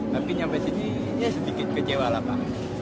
tapi nyampe sini ya sedikit kecewa lah pak